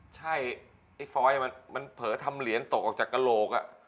ใช่ไอ้ฟอยมันเผลอทำเหรียญตกออกจากกระโหลก